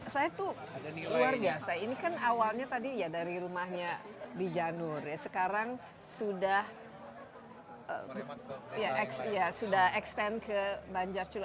saya tuh luar biasa ini kan awalnya tadi ya dari rumahnya di janur ya sekarang sudah extend ke banjar